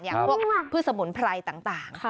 อย่างพวกพืชสมุนไพรต่าง